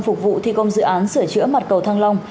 phục vụ thi công dự án sửa chữa mặt cầu thăng long